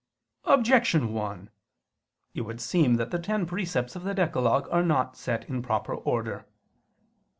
Objection 1: It would seem that the ten precepts of the decalogue are not set in proper order.